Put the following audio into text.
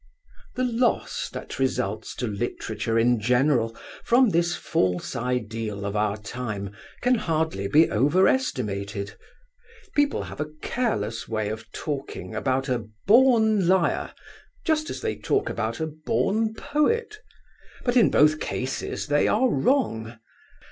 'The lose that results to literature in general from this false ideal of our time can hardly be overestimated. People have a careless way of talking about a "born liar," just as they talk about a "born poet." But in both cases they are wrong.